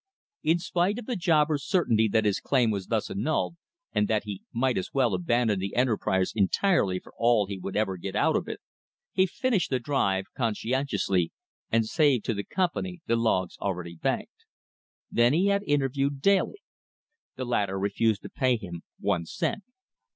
In spite of the jobber's certainty that his claim was thus annulled, and that he might as well abandon the enterprise entirely for all he would ever get out of it, he finished the "drive" conscientiously and saved to the Company the logs already banked. Then he had interviewed Daly. The latter refused to pay him one cent.